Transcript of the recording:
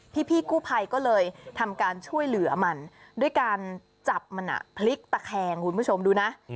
พี่กู้ภัยก็เลยทำการช่วยเหลือมันด้วยการจับมันพลิกตะแคงคุณผู้ชมดูนะ